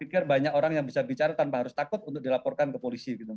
saya pikir banyak orang yang bisa bicara tanpa harus takut untuk dilaporkan ke polisi gitu